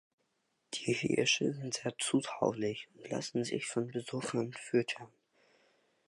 Die Hirsche sind sehr zutraulich und lassen sich von Besuchern füttern.